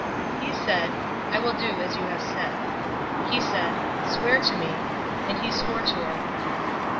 He said, "I will do as you have said." 047:031 He said, "Swear to me," and he swore to him.